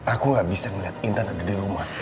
aku gak bisa ngeliat intan ada di rumah